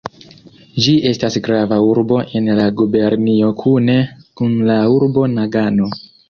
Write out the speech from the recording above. Ĝi estas grava urbo en la gubernio kune kun la urbo Nagano.